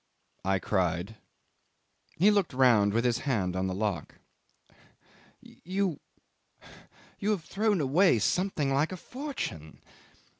I cried. He looked round with his hand on the lock. "You you have thrown away something like a fortune."